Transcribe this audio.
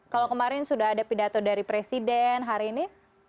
kalau kemarin sudah ada pidato dari presiden hari ini